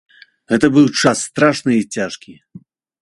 Гэта быў час страшны і цяжкі.